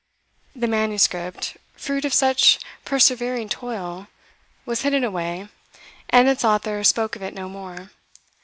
The manuscript, fruit of such persevering toil, was hidden away, and its author spoke of it no more.